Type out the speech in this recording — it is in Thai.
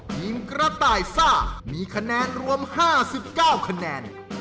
ทีมกระต่ายซ่ามีคะแนนรวม๕๙คะแนน